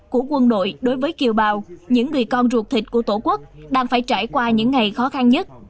của quân đội đối với kiều bào những người con ruột thịt của tổ quốc đang phải trải qua những ngày khó khăn nhất